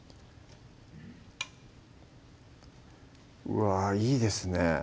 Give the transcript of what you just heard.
うわぁいいですね